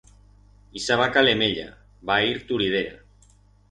Ixa vaca lemeya, va a ir turidera.